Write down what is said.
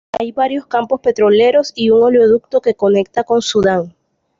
Hay varios campos petroleros y un oleoducto que conecta con Sudán.